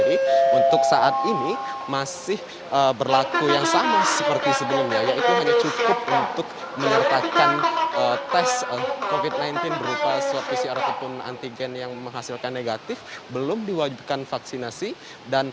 dan sudah lima nilai nd